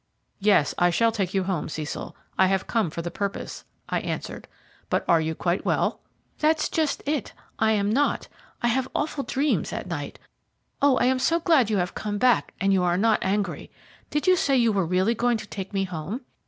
"Yes, I shall take you home, Cecil. I have come for the purpose," I answered; "but are you quite well?" "That's just it; I am not. I have awful dreams at night. Oh, I am so glad you have come back and you are not angry. Did you say you were really going to take me home?"